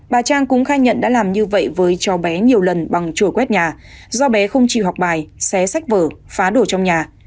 bà trang cũng khai nhận đã làm như vậy với cháu bé nhiều lần bằng chùa quét nhà do bé không chịu học bài xé sách vở phá đồ trong nhà